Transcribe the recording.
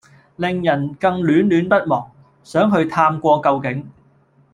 令人更戀戀不忘，想去探過究竟！